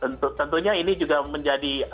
tentu tentunya ini juga menjadi